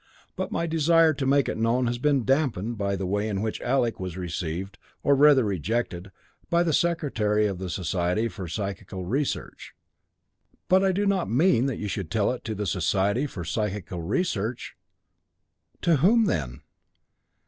"But my desire to make it known has been damped by the way in which Alec was received, or rather rejected, by the Secretary of the Society for Psychical Research." "But I do not mean that you should tell it to the Society for Psychical Research." "To whom, then?"